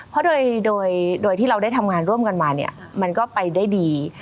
เพราะโดยที่เราได้ทำงานร่วมกันมาเนี่ยมันก็ไปได้ดี